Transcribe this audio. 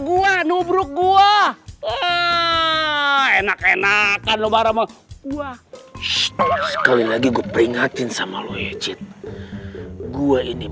gua nubruk gua enak enakan lu bareng gua sekali lagi gue peringatin sama lo ya cid gue ini